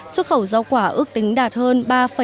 xuất khẩu giao quả ước tính đạt hơn